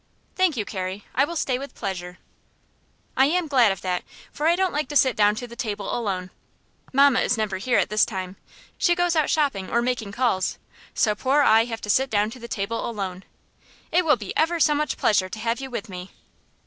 "Thank you, Carrie; I will stay with pleasure." "I am glad of that, for I don't like to sit down to the table alone. Mamma is never here at this time. She goes out shopping or making calls, so poor I have to sit down to the table alone. It will be ever so much pleasure to have you with me."